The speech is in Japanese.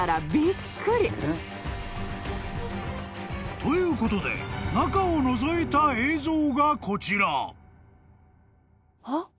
［ということで中をのぞいた映像がこちら］